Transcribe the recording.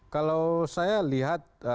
kalau saya lihat